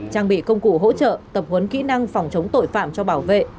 trang bị công cụ hỗ trợ tập huấn kỹ năng phòng chống tội phạm cho bảo vệ